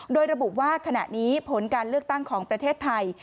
โดยระบุว่าขณะนี้ผลการเลือกตั้งของประเทศไทย